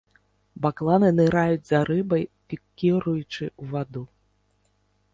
Бакланы ныраюць за рыбай, пікіруючы ў ваду.